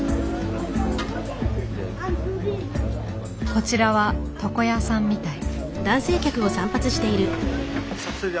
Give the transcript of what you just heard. こちらは床屋さんみたい。